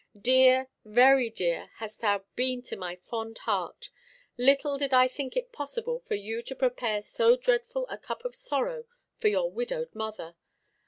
dear, very dear, hast thou been to my fond heart. Little did I think it possible for you to prepare so dreadful a cup of sorrow for your widowed mother.